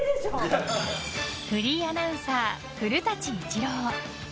フリーアナウンサー古舘伊知郎